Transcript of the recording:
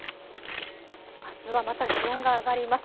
あすはまた気温が上がります。